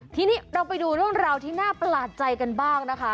ทีนี้เราไปดูเรื่องราวที่น่าประหลาดใจกันบ้างนะคะ